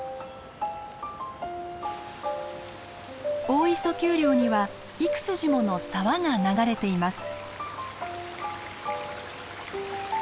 大磯丘陵には幾筋もの沢が流れています。